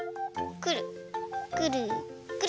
くるくるくる。